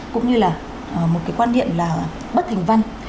cũng như là một cái quan điểm là bất hình văn